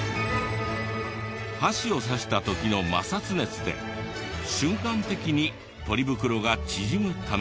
箸を刺した時の摩擦熱で瞬間的にポリ袋が縮むため。